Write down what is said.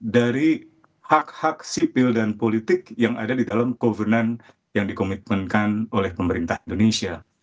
dari hak hak sipil dan politik yang ada di dalam kovenant yang dikomitmenkan oleh pemerintah indonesia